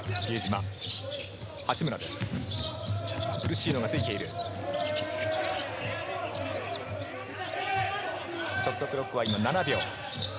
ショットクロックは７秒。